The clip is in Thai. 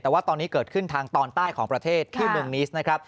แต่ว่าตอนนี้เกิดขึ้นทางตอนใต้ของประเทศที่เมืองนิสนะครับ